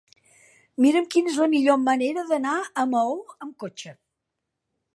Mira'm quina és la millor manera d'anar a Maó amb cotxe.